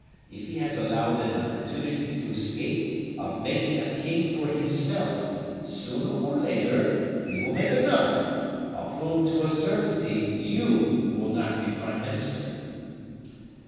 If he has allowed an opportunity to escape of making a king for himself, sooner or later, he will make another, of whom, to a certainty, you will not be prime minister."